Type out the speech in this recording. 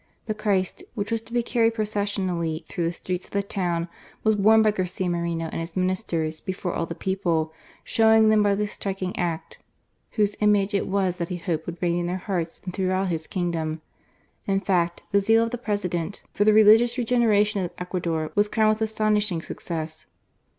The Christ, which was to be carried processionally through the streets of the town, was borne by Garcia Moreno and his Ministers before all the people, showing them by this striking act Whose image it was that he hoped would reign in their hearts and throughout his kingdom. In fact, the zeal of the President for the religious regeneration of Ecuador was crowned with astonishing success.